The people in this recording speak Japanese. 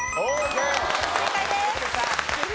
正解です。